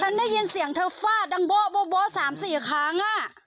ได้ยินเสียงเธอฟาดดังโบ๊ะ๓๔ครั้ง